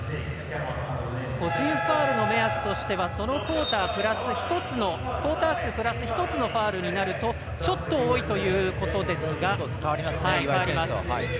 個人ファウルの目安としてはクオーター数プラス１つのファウルになるとちょっと多いということですが。